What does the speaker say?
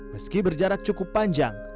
meski berjarak cukup panjang